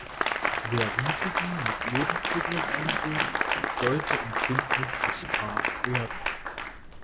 Wer Risiken mit Lebensmitteln eingeht, sollte empfindlich bestraft werden.